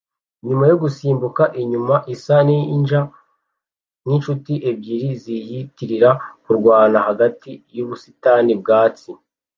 Inyuma yo gusimbuka inyuma isa ninja nkinshuti ebyiri ziyitirira kurwana hagati yubusitani bwatsi